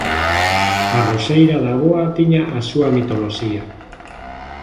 A roseira da avoa tiña a súa mitoloxía.